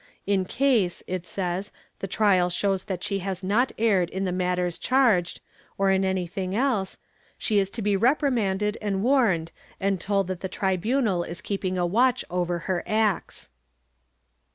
In case, it says, the trial shows that she has not erred in the matters charged, or in anything else, she is to be reprimanded and warned and told that the tribunal is keeping a watch over her acts.